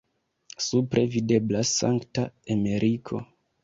Supre videblas Sankta Emeriko.